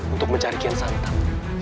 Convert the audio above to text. untuk mencari kian santan